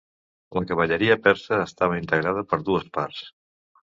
La cavalleria persa estava integrada per dues parts.